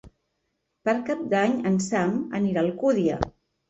Per Cap d'Any en Sam anirà a Alcúdia.